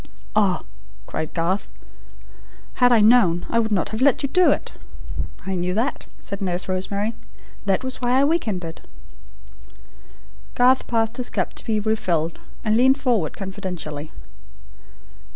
"Ah," cried Garth, "had I known, I would not have let you do it!" "I knew that," said Nurse Rosemary. "That was why I week ended." Garth passed his cup to be refilled, and leaned forward confidentially.